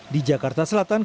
di jakarta selatan